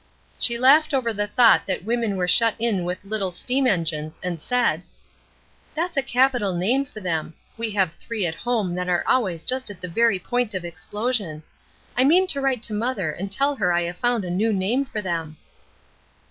She laughed over the thought that women were shut in with little steam engines, and said: "That's a capital name for them; we have three at home that are always just at the very point of explosion. I mean to write to mother and tell her I have found a new name for them."